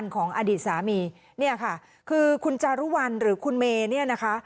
ของอดีตสามีเนี่ยค่ะคือคุณจารุวัลหรือคุณเมย์เนี่ยนะคะ